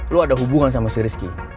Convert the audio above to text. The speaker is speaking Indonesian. lo ada hubungan sama si rizky